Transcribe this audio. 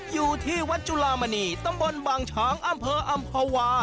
อยู่ที่วัดจุลามณีตำบลบางช้างอำเภออำภาวา